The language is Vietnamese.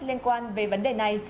liên quan về vấn đề này